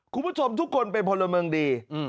คุณผู้ชมทุกคนเป็นพลเมืองดี